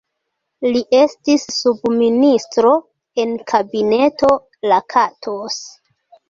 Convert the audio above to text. Li estis subministro en Kabineto Lakatos.